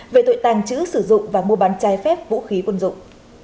về tội tàng trữ sử dụng và mua bán trái phép vũ khí quân dụng